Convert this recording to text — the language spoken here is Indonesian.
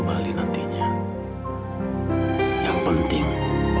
di garis akaratically siap siap